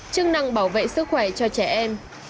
chức năng bảo vệ sức khỏe cho trẻ em